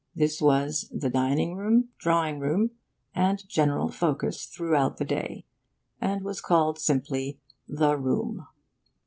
This was the dining room, drawing room, and general focus throughout the day, and was called simply the Room.